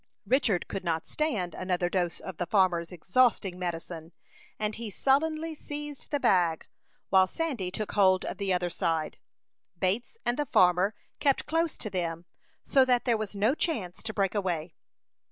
Richard could not stand another dose of the farmer's exhausting medicine, and he sullenly seized the bag, while Sandy took hold of the other side. Bates and the farmer kept close to them, so that there was no chance to break away.